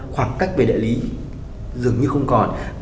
khoảng cách về đại lý dường như không còn